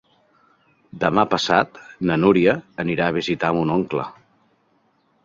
Demà passat na Núria anirà a visitar mon oncle.